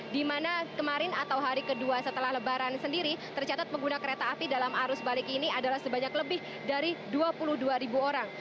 di mana kemarin atau hari kedua setelah lebaran sendiri tercatat pengguna kereta api dalam arus balik ini adalah sebanyak lebih dari dua puluh dua orang